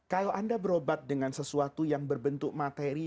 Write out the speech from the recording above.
kalau anda berobat dengan sesuatu yang berbentuk materi